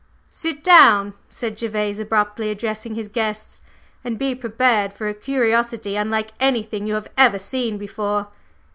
"Sit down," said Gervase abruptly addressing his guests, "and be prepared for a curiosity unlike anything you have ever seen before!"